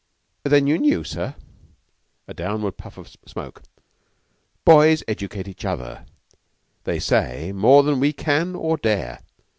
"Then you knew, sir?" A downward puff of smoke. "Boys educate each other, they say, more than we can or dare.